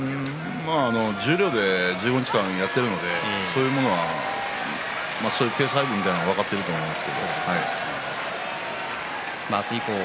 十両で１５日間やっているのでそういうペース配分みたいなものは分かっていると思います。